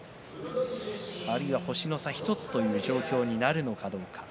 あるいは星の差１つという状況になるのかどうか。